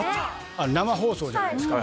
あれ生放送じゃないですか。